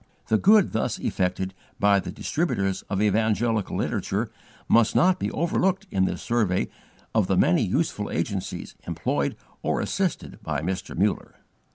The good thus effected by the distributors of evangelical literature must not be overlooked in this survey of the many useful agencies employed or assisted by Mr. Muller.